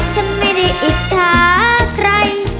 ฉันไม่ได้อิจฉาใคร